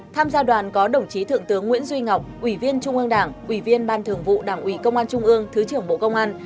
tham gia đoàn có đồng chí thượng tướng nguyễn duy ngọc ủy viên trung ương đảng ủy viên ban thường vụ đảng ủy công an trung ương thứ trưởng bộ công an